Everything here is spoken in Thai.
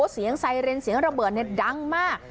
เสียงไซเรนเสียงระเบิดดังมาก